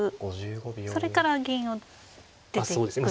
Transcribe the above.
それから銀を出ていくんですか？